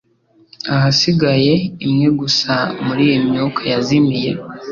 ahasigaye imwe gusa muriyi myuka yazimiye